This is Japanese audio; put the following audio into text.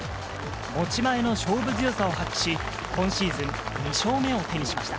持ち前の勝負強さを発揮し、今シーズン２勝目を手にしました。